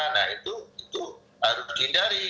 nah itu harus jindari